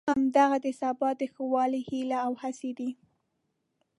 همدغه د سبا د ښه والي هیلې او هڅې دي.